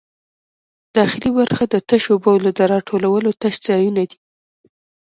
داخلي برخه د تشو بولو د راټولولو تش ځایونه دي.